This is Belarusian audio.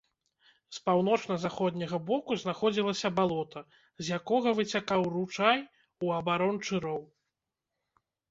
З паўночна-заходняга боку знаходзілася балота, з якога выцякаў ручай у абарончы роў.